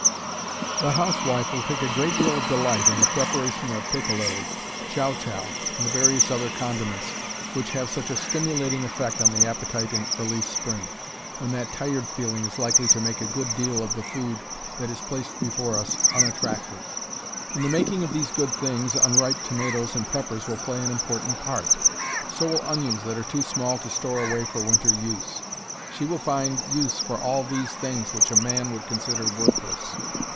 The housewife will take a great deal of delight in the preparation of piccalilli, chow chow, and the various other condiments which have such a stimulating effect on the appetite in early spring, when "that tired feeling" is likely to make a good deal of the food that is placed before us unattractive. In the making of these good things unripe tomatoes and peppers will play an important part. So will onions that are too small to store away for winter use. She will find use for all of these things which a man would consider worthless.